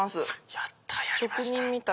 やった！